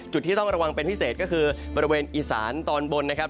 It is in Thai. จุดที่ต้องระวังเป็นพิเศษก็คือบริเวณอีสานตอนบนนะครับ